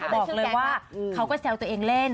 บอกเลยว่าเขาก็แซวตัวเองเล่น